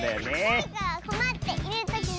「だれかがこまっているときは」